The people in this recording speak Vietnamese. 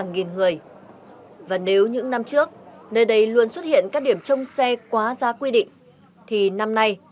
một người và nếu những năm trước nơi đấy luôn xuất hiện các điểm trong xe quá ra quy định thì năm nay